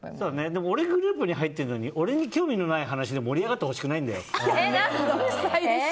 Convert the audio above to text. でも、俺がグループに入ってるのに俺に興味のない話で盛り上がってほしくないんだよね。